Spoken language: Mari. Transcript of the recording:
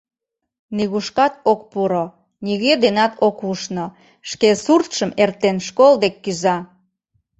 Нигушкат ок пуро, нигӧ денат ок ушно, шке суртшым эртен, школ дек кӱза.